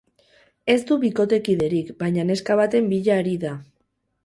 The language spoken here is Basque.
Ez du bikotekiderik, baina neska baten bila ari da.